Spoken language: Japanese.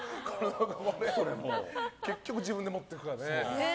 結局、自分で持っていくからね。